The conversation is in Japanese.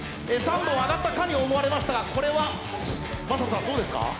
３本上がったかに思われましたがこれは魔裟斗さん、どうですか。